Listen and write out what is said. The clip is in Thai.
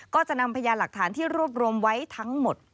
ก็จะนำพยานหลักฐานที่รวบรวมไว้ทั้งหมด